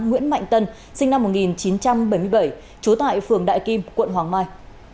nguyễn mạnh tân sinh năm một nghìn chín trăm bảy mươi bảy trú tại phường đại kim quận hoàng mai